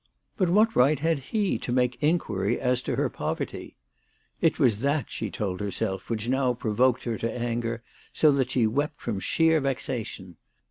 But what right had he to make inquiry as to her poverty ? It was that, she told herself, which now provoked her to anger so that she wept from sheer vexation.